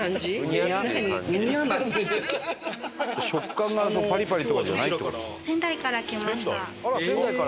食感がパリパリとかじゃないって事？